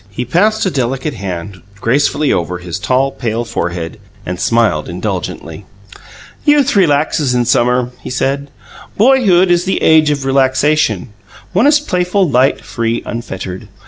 He passed a delicate white hand gracefully over his tall, pale forehead, and smiled indulgently. "Youth relaxes in summer," he said. "Boyhood is the age of relaxation; one is playful, light, free, unfettered.